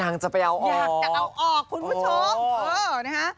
นางจะไปเอาออกอยากจะเอาออกคุณผู้ชม